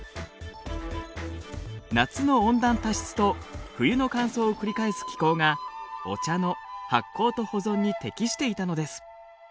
夏の温暖多湿と冬の乾燥を繰り返す気候がお茶の発酵と保存に適していたのです。